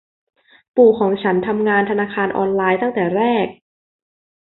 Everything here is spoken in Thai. ปู่ของฉันทำงานธนาคารออนไลน์ตั้งแต่แรก